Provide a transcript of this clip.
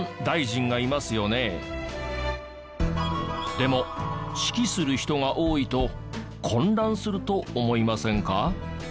でも指揮する人が多いと混乱すると思いませんか？